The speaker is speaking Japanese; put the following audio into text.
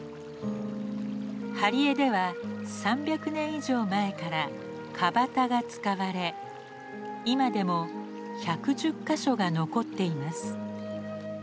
針江では３００年以上前から川端が使われ今でも１１０か所が残っています。